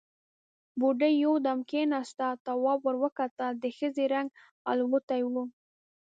بوډۍ يودم کېناسته، تواب ور وکتل، د ښځې رنګ الوتی و.